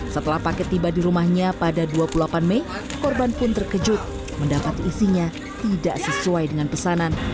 setelah paket tiba di rumahnya pada dua puluh delapan mei korban pun terkejut mendapat isinya tidak sesuai dengan pesanan